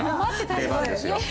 出番ですよ。